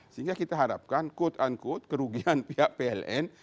sehingga kita harapkan quote unquote kerugian pihak pln